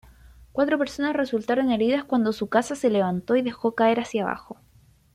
Cuatro personas resultaron heridas cuando su casa se levantó y dejó caer hacia abajo.